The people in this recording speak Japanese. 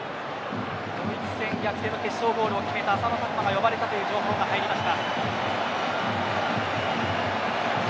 ドイツ戦で逆転の決勝ゴールを決めた浅野拓磨が呼ばれたという情報が入りました。